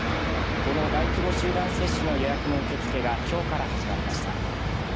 この大規模集団接種の予約の受け付けがきょうから始まりました。